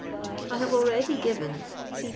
I have alr*»ady given (see p.